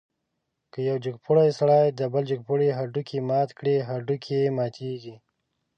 که یو جګپوړی سړی د بل جګپوړي هډوکی مات کړي، هډوکی یې ماتېږي.